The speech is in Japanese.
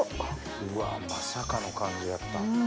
うわまさかの感じやった。